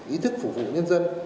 ý thức phục vụ nhân dân